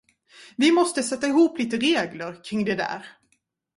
Vi måste sätta ihop lite regler kring det där.